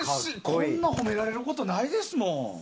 こんなに褒められることないですもん。